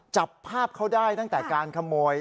จับภาพเขาได้ตั้งแต่การขโมย